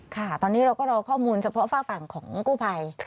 ค่ะตอนนี้เราก็รอข้อมูลเฉพาะฝากฝั่งของกู้ภัย